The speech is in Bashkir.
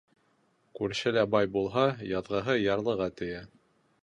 Күршелә бай булһа, яҙығы ярлыға тейә.